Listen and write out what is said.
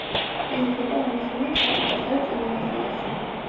იზრდება აღმოსავლეთ აფრიკასა და წინა აზიაში.